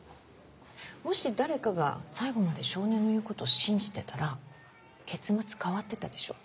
もし誰かが最後まで少年の言うことを信じてたら結末変わってたでしょ。